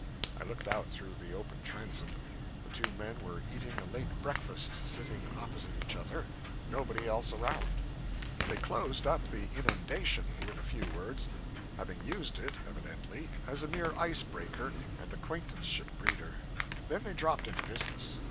I looked out through the open transom. The two men were eating a late breakfast; sitting opposite each other; nobody else around. They closed up the inundation with a few words having used it, evidently, as a mere ice breaker and acquaintanceship breeder then they dropped into business.